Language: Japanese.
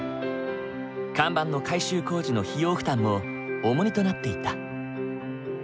看板の改修工事の費用負担も重荷となっていた。